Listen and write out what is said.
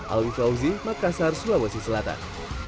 alwi fauzi makassar sulawesi selatan